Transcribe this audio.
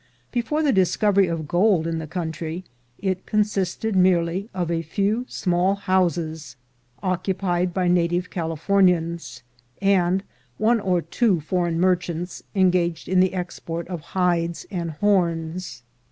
Before the discovery of gold in the country, it consisted merely of a few small houses occupied by native Californians, and one or two foreign merchants engaged in the export of hides and horns.